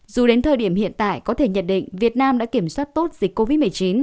dù đến thời điểm hiện tại có thể nhận định việt nam đã kiểm soát tốt dịch covid một mươi chín